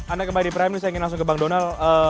anda kembali di prime news saya ingin langsung ke bang donal